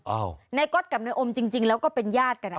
นายก๊อตกับนายอมจริงแล้วก็เป็นญาติกันอ่ะ